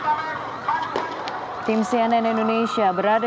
kita tidak perlu mewakili urusan dan nemu penuh akibat saya